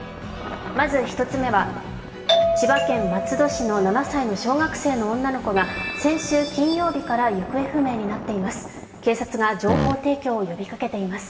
まず１つ目は千葉県松戸市の小学１年生の７歳の女の子が先週金曜日から行方不明になっています。